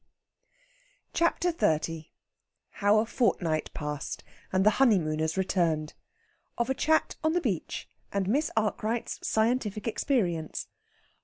CHAPTER XXX HOW A FORTNIGHT PASSED, AND THE HONEYMOONERS RETURNED. OF A CHAT ON THE BEACH, AND MISS ARKWRIGHT'S SCIENTIFIC EXPERIENCE.